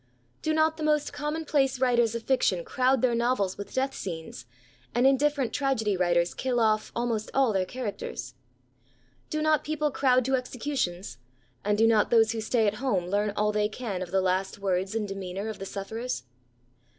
Do not the most common place writers of fiction crowd their novels with death scenes^ and indifferent tragedy writers kill off almost all their characters ? Do not people crowd to execu tions ; and do not those who stay at home leam all they can of the last words and demeanour of the sufferers